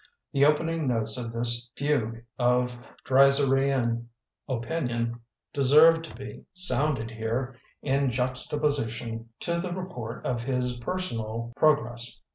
The opening notes of this fugue of dreiserian opinion deserve to be sounded here in juxtaposition to the report of his personal progress.